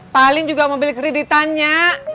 paling juga mau beli kreditannya